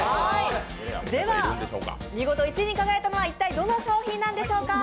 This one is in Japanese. では見事１位に輝いたのはどの商品なんでしょうか。